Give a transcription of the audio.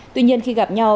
tuy nhiên khi gặp nhau